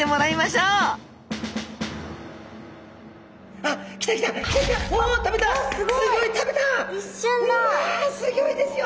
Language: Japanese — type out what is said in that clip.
わあすギョいですよ。